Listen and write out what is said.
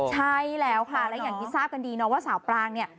ใช่แล้วค่ะและอย่างที่ทราบกันดีเนาะว่าสาวปรางเนี่ย